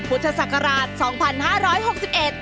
พุทธศักราช๒๕๖๑